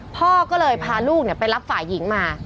พ่อก็เลยพาลูกไปรับฝ่ายหญิงมา